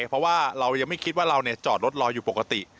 เพราะว่าเรายังไม่คิดว่าเราจอดรถรออยู่ปกติ